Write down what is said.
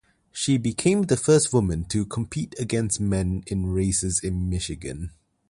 She became the first woman to compete against men in races in Michigan.